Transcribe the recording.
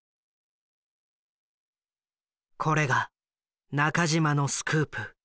これが中島のスクープ。